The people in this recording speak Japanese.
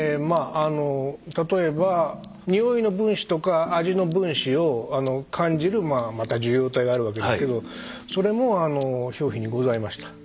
例えばにおいの分子とか味の分子を感じるまた受容体があるわけですけどそれも表皮にございました。